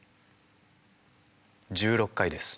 １６回です。